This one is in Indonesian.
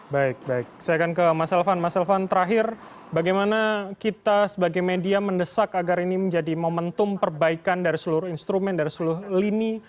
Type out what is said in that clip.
baik baik saya akan ke mas elvan mas elvan terakhir bagaimana kita sebagai media mendesak agar ini menjadi momentum perbaikan dari seluruh instrumen dari seluruh lini